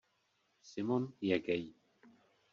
Simon je gay.